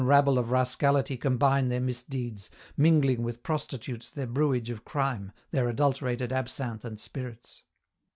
29 rabble of rascality combine their misdeeds, mingling with prostitutes their brewage of crime, their adulterated absinthe and spirits.